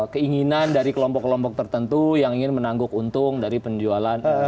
keinginan dari kelompok kelompok tertentu yang ingin menangguk untung dari penjualan